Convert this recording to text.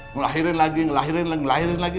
ngelahirin lagi ngelahirin lagi ngelahirin lagi